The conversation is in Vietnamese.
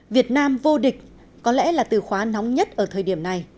việt nam vô địch có lẽ là từ khóa nóng nhất ở thời điểm này